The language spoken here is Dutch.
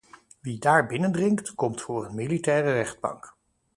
Wie daar binnendringt, komt voor een militaire rechtbank.